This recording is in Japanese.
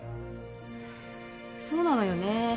そうなのよね。